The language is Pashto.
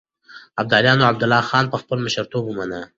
ابداليانو عبدالله خان په خپل مشرتوب ومنه.